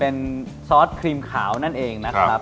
เป็นซอสครีมขาวนั่นเองนะครับ